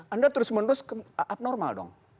anda terus menerus abnormal dong